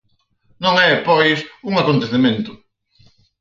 Non é, pois, un acontecemento.